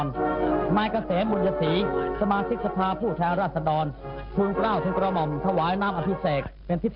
จากนั้นเวลา๑๑นาฬิกาเศรษฐ์พระธินั่งไพรศาลพักศิลป์